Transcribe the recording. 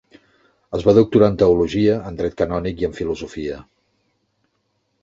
Es va doctorar en teologia, en dret canònic i en filosofia.